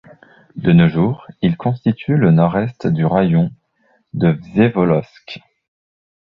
De nos jours, il constitue le nord-est du raïon de Vsevolojsk.